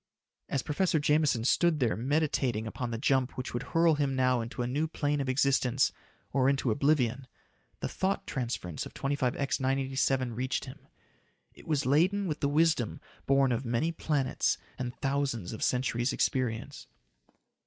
As Professor Jameson stood there meditating upon the jump which would hurl him now into a new plane of existence or into oblivion, the thought transference of 25X 987 reached him. It was laden with the wisdom born of many planets and thousands of centuries' experience.